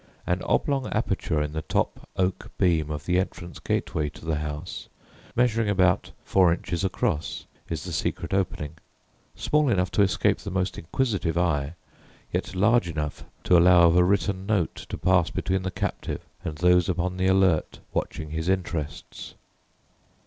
An oblong aperture in the top oak beam of the entrance gateway to the house, measuring about four inches across, is the secret opening small enough to escape the most inquisitive eye, yet large enough to allow of a written note to pass between the captive and those upon the alert watching his interests.